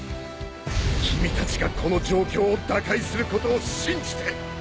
君たちがこの状況を打開することを信じて！